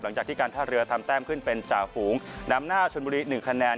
หลังจากที่การท่าเรือทำแต้มขึ้นเป็นจ่าฝูงนำหน้าชนบุรี๑คะแนน